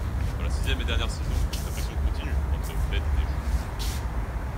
Dans la sixième et dernière saison, la friction continue entre Bette et Jodi.